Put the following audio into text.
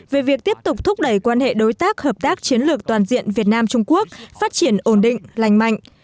về việc tiếp tục thúc đẩy quan hệ đối tác hợp tác chiến lược toàn diện việt nam trung quốc phát triển ổn định lành mạnh